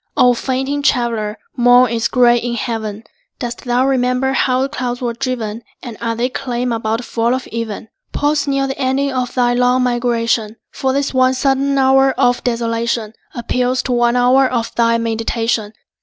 O fainting traveller, morn is gray in heaven. Dost thou remember how the clouds were driven? And are they calm about the fall of even? Pause near the ending of thy long migration; For this one sudden hour of desolation Appeals to one hour of thy meditation.